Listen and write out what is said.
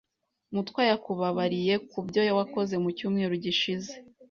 Mutwa yakubabariye kubyo wakoze mu cyumweru gishize?